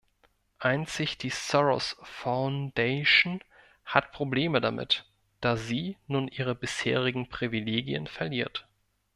Einzig die Soros-Foundation hat Probleme damit, da sie nun ihre bisherigen Privilegien verliert.